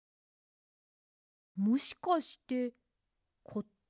もしかしてこっち？